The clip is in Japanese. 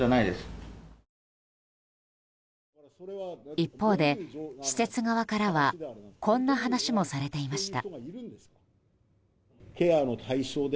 一方で、施設側からはこんな話もされていました。